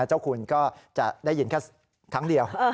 เจ้าคุณก็จะได้ยินแค่ครั้งเดียว